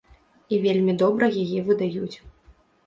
І вельмі добра яе выдаюць.